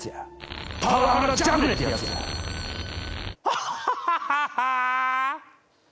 アッハハハハ！